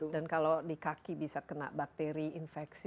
dan kalau di kaki bisa kena bakteri infeksi